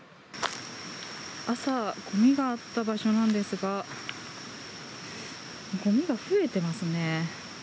朝、ごみがあった場所なんですが、ごみが増えてますね。